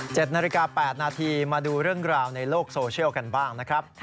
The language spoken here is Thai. นาฬิกา๘นาทีมาดูเรื่องราวในโลกโซเชียลกันบ้างนะครับ